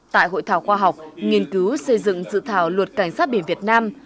tại hội thảo khoa học nghiên cứu xây dựng dự thảo luật cảnh sát biển việt nam